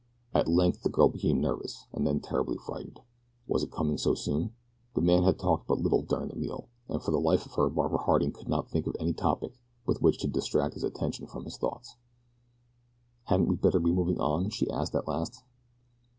At length the girl became nervous, and then terribly frightened was it coming so soon? The man had talked but little during this meal, and for the life of her Barbara Harding could not think of any topic with which to distract his attention from his thoughts. "Hadn't we better be moving on?" she asked at last.